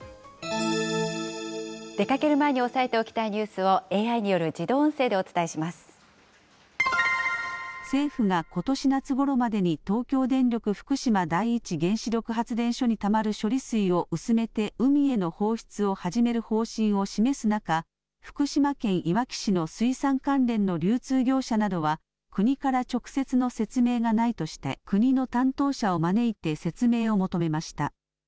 出かける前に押さえておきたいニュースをＡＩによる自動音声政府が、ことし夏ごろまでに東京電力福島第一原子力発電所にたまる処理水を薄めて、海への放出を始める方針を示す中、福島県いわき市の水産関連の流通業者などは、国から直接の説明がないとして、国の担当者を招いて説明を求めました。